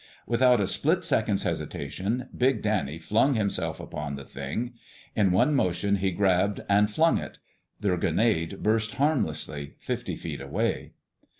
Without a split second's hesitation, big Danny flung himself upon the thing. In one motion he grabbed and flung it. The grenade burst harmlessly, fifty feet away.